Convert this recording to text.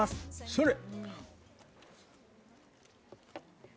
それ！